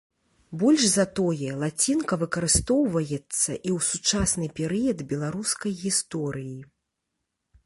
Больш за тое, лацінка выкарыстоўваецца і ў сучасны перыяд беларускай гісторыі.